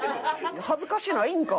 恥ずかしないんか？